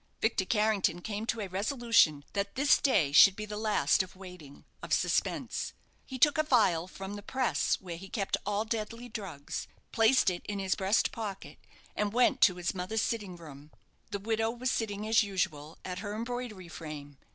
Victor Carrington came to a resolution that this day should be the last of waiting of suspense. He took a phial from the press where he kept all deadly drugs, placed it in his breast pocket, and went to his mother's sitting room. The widow was sitting, as usual, at her embroidery frame.